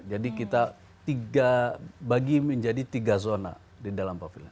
jadi kita bagi menjadi tiga zona di dalam pavilion